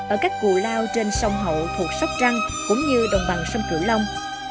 ở các cù lao trên sông hậu thuộc sóc trăng cũng như đồng bằng sông cửu long